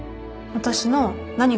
私の何が？